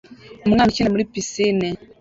Umwana ukina muri pisine